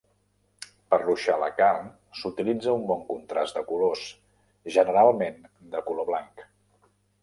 Per ruixar la carn s'utilitza un bon contrast de colors, generalment de color blanc.